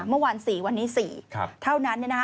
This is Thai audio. เมื่อวาน๔วันนี้๔เท่านั้น